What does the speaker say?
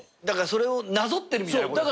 だからそれをなぞってるみたいな。